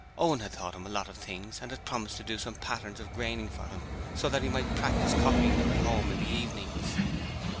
Owen had taught him lots of things and had promised to do some patterns of graining for him so that he might practise copying them at home in the evenings.